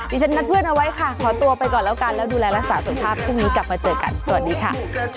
ฉันนัดเพื่อนเอาไว้ค่ะขอตัวไปก่อนแล้วกันแล้วดูแลรักษาสุขภาพพรุ่งนี้กลับมาเจอกันสวัสดีค่ะ